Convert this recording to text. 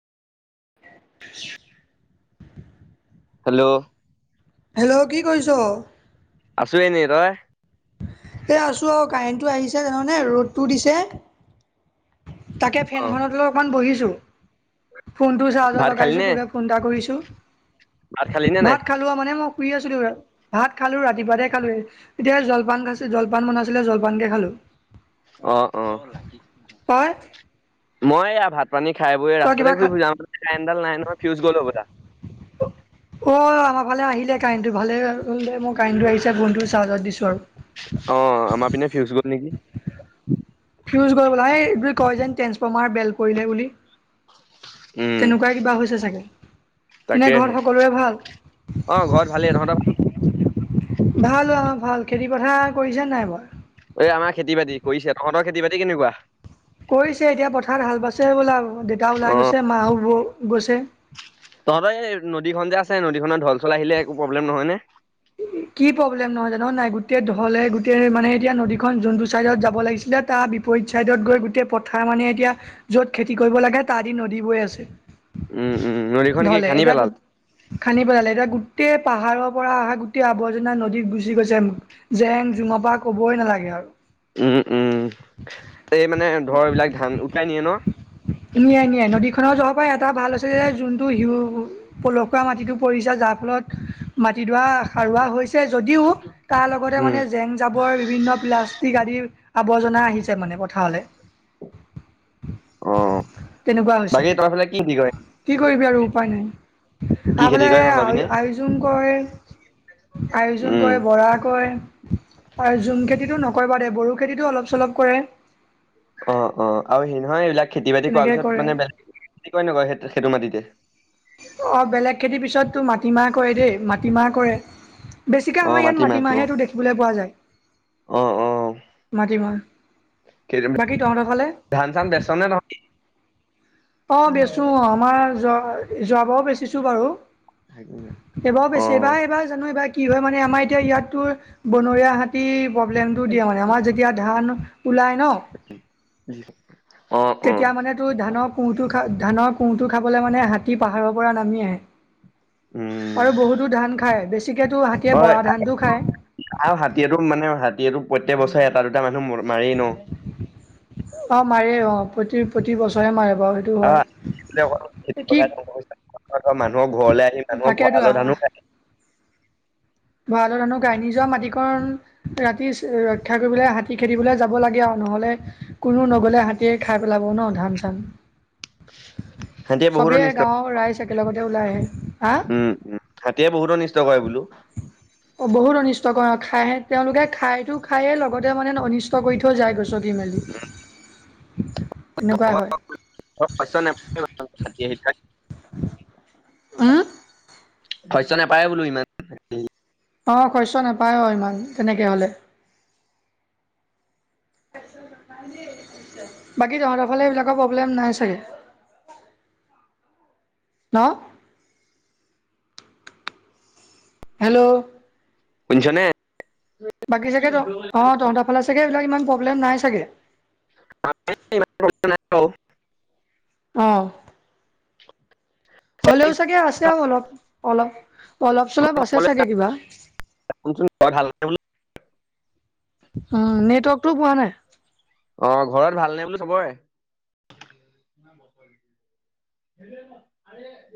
ঘ [unintelligible] hello. Hello কি কৰিছ। আছোঁ এনেই তয়। এই আছোঁ অ কাৰেণ্টটো আহিছে তনেহানে ৰ'দটো দিছে। তাকে অ ফেনখনত অকমান বহিছো। ফোনটো চাৰ্জৰ ভাত খালি নে লগাইছো তো ফোন এটা কৰিছো। ভাত খালি নে নাই ভাত খালোৱা মানে মই প্ৰিয় আছিলোৰা। ভাত খালো ৰাতিপুৱাতে খালো এতিয়া জলপান খ জলপান বনাইছিলে জলপান কেে খালো। অ, অ। ত ই। মই ই ভাত পানী খাই বৈ ৰাস্তাতে ঘূৰিব যাওঁ কাইনডাল নাই নহয় ফিউজ গল হবলা। অ' আমাৰ ভালে আহিলে কাৰেণ্টটো ভালে মই কাৰেণ্টো আহিছে বোনটো চাৰ্জত দিছো আৰু, অ আমাৰ পিনে ফিউচ গ'ল নেকি। জ এই কয় যেন ট্ৰেঞ্চফৰ্মাৰ বেল পৰিলে বুলি। উম তেনেকুৱা কিবা হৈছে চাগে। এনে ঘৰত তাকেহে সকলোৰে ভাল। অ ঘৰত ভালেই তহঁতৰ ভাল? ভাল অ ভাল খেতি পথা কৰিছা নাই মই। এ আমাৰ খেতি বাতি কৰিছে তহঁতৰ খেতি বাতি কেনেকুৱা? কৰিছে এতিয়া পথাৰত হাল বাাইছে বোলা দেউতা অ ওলাই গৈছে মাও গৈছে তহঁতে এই নদীখন যে আছে নদীখনত ঢলচল আহিলে একো প্ৰব্লেম নহয় নে। কি প্ৰব্লেম নহয় জানো নাই গোটেই ধঢলে গোটেই মানে এতিয়া নদীখনন যোনটো চাইদত যাব লাগিছিলে এতিয়া তাৰ বিপৰীত চাইদত গৈ গোটেই পথাৰ মানে এতিয়া যত খেতি কৰিব লাগে তাহ দি নদী বৈ আছে। উম, উম নদীখন কি ঢলে খান্দি এতিয়া গো পেলালে। খান্দি পেলালে এতিয়া গোটেই পাহাৰৰ পৰা অহা গ অ আৱৰ্জনা নদীত গুচি গৈছে জেং জুঙপা কবই নালাগে আৰু উম- উম এই মানে ধৰ এইবিলাক ধান উকাই নিয়ে ন। নিয়াই - নিয়াই নদীখনৰ জহৰ পৰা এটা ভাল আছে যে যোনটো শিউ পলসুৱা মাটিটো পৰিছে য তাৰ ফলত মাটিডৰা সাৰোৱা হৈছে। যদিও তাৰ লগতে উম মানে জেং জাবৰ বিভিন্ন প্লাষ্টিক আদি। আৱৰ্জনা আহিছে মানে পথাৰলৈ। অ তেনেকুৱা হৈছে বাকী তই ফালে কি খেতি কৰে কি কৰিবি আৰু উপায় নাই। কি খেতি আফোলে কৰে তহঁতৰ পিনে আ আয়জুং কয় আয়জুং উম কয় বৰা কয়। আৰু জুম খেতিতটো নকৰিবা দে বড়ো খেতিতটো অলপ চলপ কৰে। অ - অ আৰু হেৰি নহয় এইবিলাক খেতি বাতি কৰাৰ তেনেকৈ পিছত কৰে মানে বেলেগ খে কৰে নকয় সেইটো মাটিতে। অ, বেলেগ খেতিৰ পিছততো মাটিমাহ কৰে দেই মাটিমাহ কৰে। বেছিকৈ অ আমাৰ ইয়াত মাটিমাহটো মাটিমাহেটো দেখিবলৈ পোৱা যায়। অ অ মাটিমাহ বাকী তহঁতৰ ফালে ধান চান বেচনে ন অ, বেচো অ, আমাৰ য যোৱাবাৰও বেছিছো বাৰু নহয় এইবাৰও অ বেছি এইবাৰ - এইবাৰ জানো এইবাৰ কি হয় মানে আমাৰ এতিয়া ইয়াততো বনৰীয়া হাতী প্ৰব্লেমটো দিয়ে মানে আমাৰ যেতিয়া ধান ওলাই ন। অ অ তেতিয়া মানে তোৰ ধানক টো খা ধানৰ কুহটো খাবলৈ মানে হাতী পাহাৰৰ পৰা নামি আহে। উম আৰু বহুতো ধান খায় বেছি অ, আৰু হাতীয়েটো মানে হ তিটো প্ৰত্যেক বছৰে এটা দুটা মানুহ মাৰি ন। অ মাৰে অ, প্ৰতি - প্ৰতি বছৰে মাৰে বাৰু সেইটো আহ হয়। কি মানুহৰ ঘৰলৈ আহি মানুহৰ ভৰালৰ তাকেতো ধানো খাই। ভৰালত আানুো গাই নি যোৱা মাটিকন ৰাতি ৰক্ষা কৰিবলৈ হাতী খেদিবলৈ যাব লাগে আৰু ন। হ'লে কোনো নগলে হাতীৰ খাক ওলাব ন ধান চান হাতীয়ে বহুত চবেই অনিষ্ট গাৱৰ ৰাইজ একেলগতে ওলাই আহে। হা উম - উম হাতীয়ে বহুতো অনিষ্ট কৰে বোলো। অ, বহুত অনিষ্ট কৰ খাই তেওলোকে খাইতো খাইে লগতে মানে অনিষ্ট কৰি থৈ যায় গৈ। চটি মেলি এনেকুৱাই হয়। [unintelligible] উম, শস্য নাপায় বোলো ইমান। অ, শস্য নাপায় অ, ইমান তেনেকে হলে। বাকী তহতৰ ফালে এইবিলাকৰ প্ৰব্লেম নাই চাগে। ন। হেল্ল', শুনচনে। বাকী চাগে অ, তহত ফালা চাগে এইবিলাক ইমান প্ৰব্লেম নাই চাগে। [unintelligible] অহ, হলেও চাগে আছে আৰু ভালনে অলপ- অলপ। অলপ চলপ আছে চাগে কিবা। ঘৰত হাল বো [unintelligible] উম, নেটৱৰ্কটো পোৱা নাই। অ, ঘৰত ভালনে বোলো চবৰে? [unintelligible]